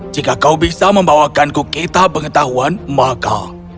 jika kau bisa membawakanku kita pengetahuan maka